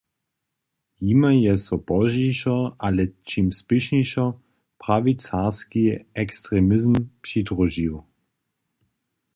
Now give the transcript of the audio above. Jimaj je so pozdźišo, ale ćim spěšnišo prawicarski ekstremizm přidružił.